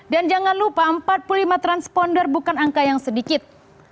dan jangan lupa empat puluh lima transponder bukan angka yang sedikit